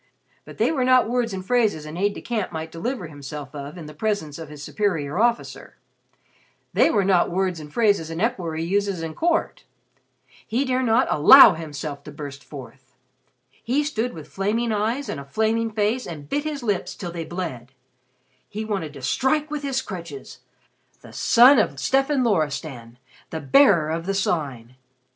But they were not words and phrases an aide de camp might deliver himself of in the presence of his superior officer; they were not words and phrases an equerry uses at court. He dare not allow himself to burst forth. He stood with flaming eyes and a flaming face, and bit his lips till they bled. He wanted to strike with his crutches. The son of Stefan Loristan! The Bearer of the Sign!